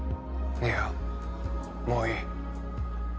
いやもういい。